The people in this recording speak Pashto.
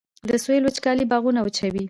د سویل وچکالي باغونه وچوي